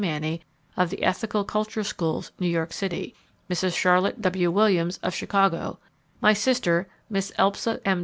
Manny, of the Ethical Culture Schools, New York City; Mrs. Charlotte W. Williams, of Chicago; my sister, Miss Elspa M.